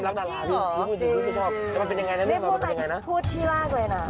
ไม่พูดแต่พูดที่แรกเลยนะ